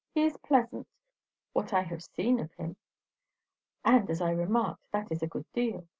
"He is pleasant, what I have seen of him." "And, as I remarked, that is a good deal.